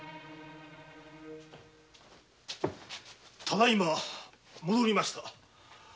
ただ今戻りました。